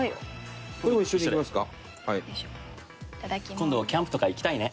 今度キャンプとか行きたいね。